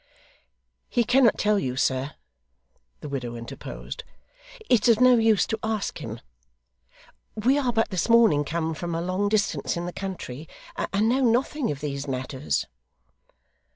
'He cannot tell you, sir,' the widow interposed. 'It's of no use to ask him. We are but this morning come from a long distance in the country, and know nothing of these matters.